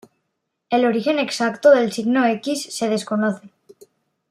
El origen exacto del signo X se desconoce.